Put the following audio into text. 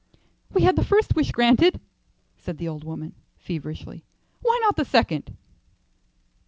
"We had the first wish granted," said the old woman, feverishly; "why not the second?"